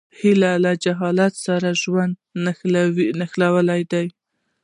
هیلۍ له جهیل سره ژوند نښلولی دی